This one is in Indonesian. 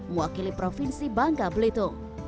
mewakili provinsi bangka belitung